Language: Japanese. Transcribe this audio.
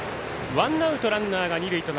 ワンアウト、ランナーが二塁。